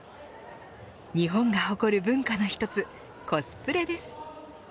日本が誇る文化の一つコスプレです。